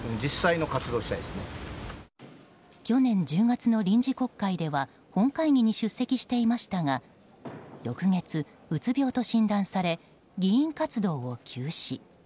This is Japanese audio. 去年１０月の臨時国会では本会議に出席していましたが翌月、うつ病と診断され議員活動を休止。